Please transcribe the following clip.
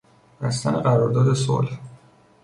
بستن قرار داد صلح